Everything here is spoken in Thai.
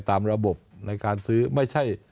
ตามระบบในการซื้อไม่ใช่